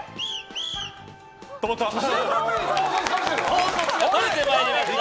統率が取れてまいりました。